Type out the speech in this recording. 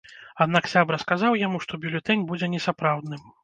Аднак сябра сказаў яму, што бюлетэнь будзе несапраўдным.